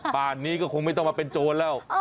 ป่านนี้ก็คงไม่ต้องมาเป็นโจรแล้ว